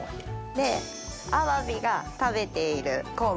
でアワビが食べている昆布。